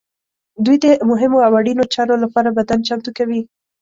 دوی د مهمو او اړینو چارو لپاره بدن چمتو کوي.